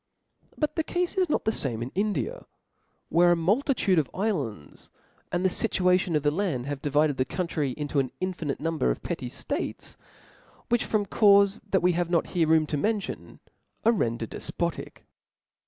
But the cafe is not the fame in India, where a multitude of iflands, and the fituation of the land, have divided the country into an infinite number of petty ftates, which from caufes that we have not here room to mention, are rendered defpotic.